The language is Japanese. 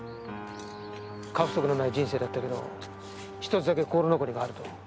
過不足のない人生だったけど１つだけ心残りがあると。